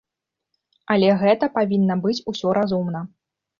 Але гэта павінна быць усё разумна.